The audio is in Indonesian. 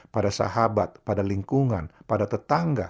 pada sahabat pada lingkungan pada tetangga